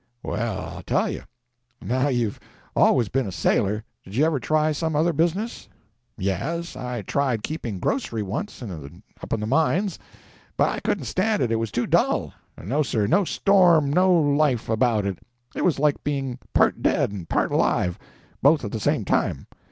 "Well, I'll tell you. Now you've always been a sailor; did you ever try some other business?" "Yes, I tried keeping grocery, once, up in the mines; but I couldn't stand it; it was too dull—no stir, no storm, no life about it; it was like being part dead and part alive, both at the same time.